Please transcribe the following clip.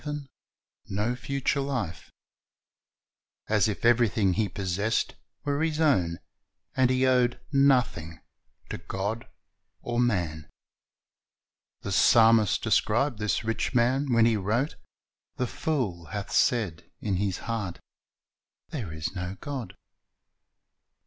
258 Christ's Object Lessons no future life; as if everything he possessed were his own, and he owed nothing to God or man. The psahnist described this rich man when he wrote, "The fool hath said in his heart, There is no God."'